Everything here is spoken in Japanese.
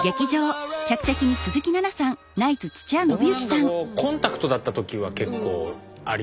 僕なんかコンタクトだった時は結構ありましたね。